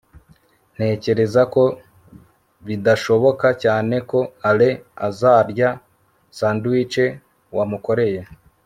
ntekereza ko bidashoboka cyane ko alain azarya sandwich wamukoreye